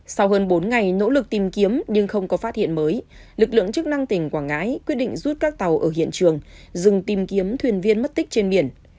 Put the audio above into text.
sau hơn bốn ngày nỗ lực tìm kiếm nhưng không có phát hiện mới lực lượng chức năng tỉnh quảng ngãi quyết định rút các tàu ở hiện trường dừng tìm kiếm thuyền viên mất tích trên biển